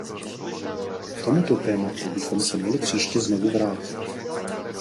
K tomuto tématu bychom se měli příště znovu vrátit.